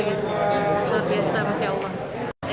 luar biasa masih awal